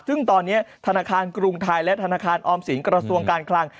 ซึ่งตอนนี้ธนาคารกรุงไทยและธนาคารออมสินกระทรวงการคลัง